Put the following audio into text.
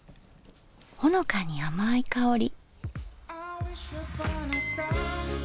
ほのかに甘い香り。